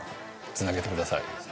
繋げてください。